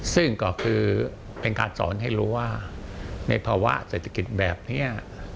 ซึ่งก็คือเป็นการสอนให้รู้ว่าในภาวะเศรษฐกิจแบบนี้